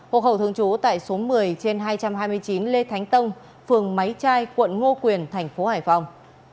hồ hậu thường chú tại số một mươi trên hai trăm hai mươi chín lê thánh tông phường máy trai quận ngo quyền thành phố hải phòng